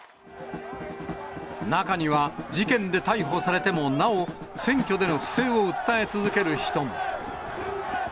中には、事件で逮捕されてもなお選挙での不正を訴え続ける人も。